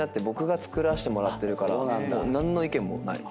もう何の意見もない。